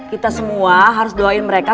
kita semua harus doain mereka